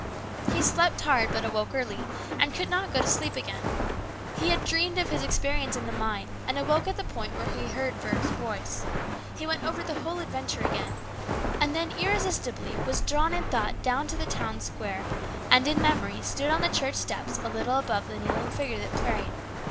He slept hard, but awoke early, and could not go to sleep again. He had dreamed of his experience in the mine, and awoke at the point where he had heard Burke's voice. He went over the whole adventure again, and then irresistibly was drawn in thought down to the town square, and in memory stood on the church steps a little above the kneeling figure that prayed.